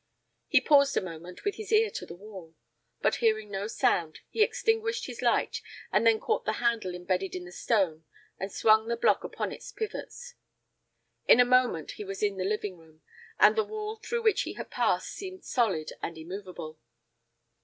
He paused a moment, with his ear to the wall; but hearing no sound, he extinguished his light and then caught the handle imbedded in the stone and swung the block upon its pivots. In a moment he was in the living room, and the wall through which he had passed seemed solid and immovable.